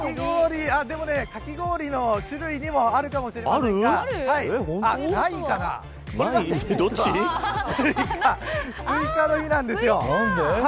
かき氷の種類にもあるかもしれませんがスイカの日なんです。